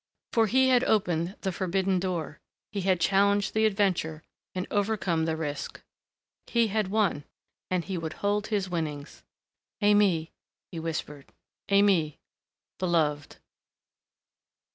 For he had opened the forbidden door; he had challenged the adventure and overcome the risk. He had won. And he would hold his winnings. "Aimée," he whispered. "Aimée Beloved."